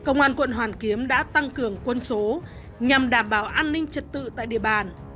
ngoàn quận hoàn kiếm đã tăng cường quân số nhằm đảm bảo an ninh trật tự tại địa bàn